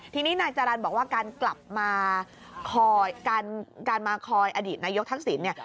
ทีนี้นายจารันบอกว่าการกลับมาคอยอดีตนายกทักศิลป์